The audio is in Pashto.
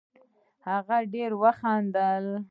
هغه ډېر وخندل